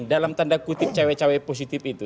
dalam tanda kutip cawai cawai positif itu